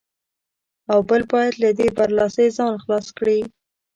او بل باید له دې برلاسۍ ځان خلاص کړي.